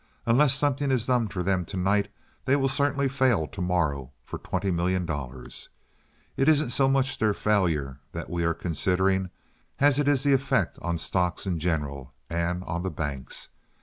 Unless something is done for them tonight they will certainly fail to morrow for twenty million dollars. It isn't so much their failure that we are considering as it is the effect on stocks in general, and on the banks.